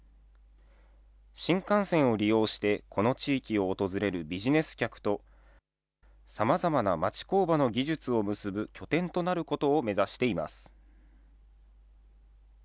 新幹線を利用してこの地域を訪れるビジネス客と、さまざまな町工場の技術を結ぶ拠点となることを目指しています。